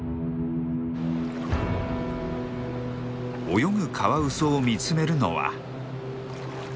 泳ぐカワウソを見つめるのは。